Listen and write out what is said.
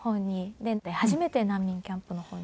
初めて難民キャンプの方に。